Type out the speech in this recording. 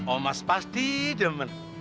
oh mas pasti teman